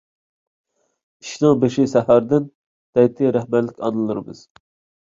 «ئىشنىڭ بېشى سەھەردىن» دەيتتى رەھمەتلىك ئانىلىرىمىز.